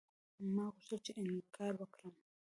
ما غوښتل چې انکار وکړم.